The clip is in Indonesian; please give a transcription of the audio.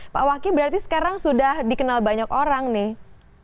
pak waki berarti sekarang sudah dikenal banyak orang nih